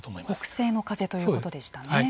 北西の風ということでしたね。